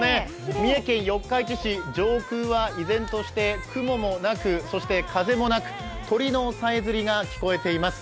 三重県四日市市、上空は依然として雲もなく、そして風もなく、鳥のさえずりが聞こえています。